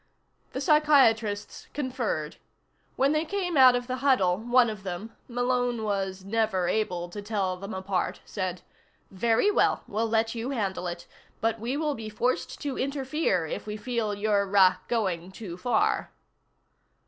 The psychiatrists conferred. When they came out of the huddle one of them Malone was never able to tell them apart said: "Very well, we'll let you handle it. But we will be forced to interfere if we feel you're ah going too far."